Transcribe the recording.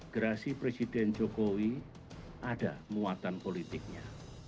gerasi presiden jokowi ada muatan politiknya